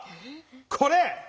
これ！